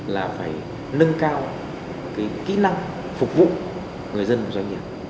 là phải nâng cao kỹ năng phục vụ người dân và doanh nghiệp